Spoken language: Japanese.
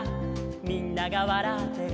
「みんながわらってる」